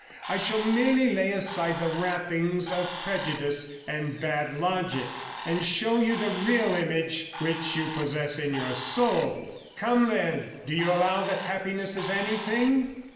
I shall merely lay aside the wrappings of prejudice and bad logic, and show you the real image which you possess in your soul. Come, then. Do you allow that happiness is anything?'